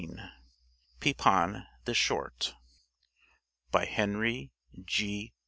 PEPIN THE SHORT By HENRY G.